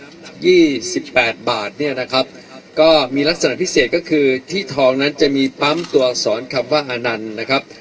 ยี่สิบแปดบาทเนี่ยนะครับก็มีลักษณะพิเศษก็คือที่ทองนั้นจะมีปั๊มตัวอักษรคำว่าอานันต์นะครับ